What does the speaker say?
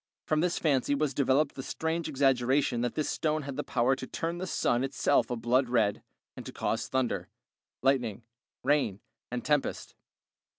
From this fancy was developed the strange exaggeration that this stone had the power to turn the sun itself a blood red, and to cause thunder, lightning, rain, and tempest.